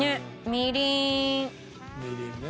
みりんね。